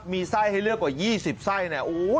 มีไส้ให้เลือกกว่า๒๐ไส้เนี่ย